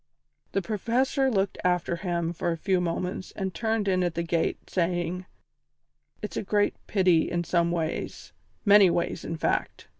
The Professor looked after him for a few moments and turned in at the gate, saying: "It's a great pity in some ways many ways, in fact.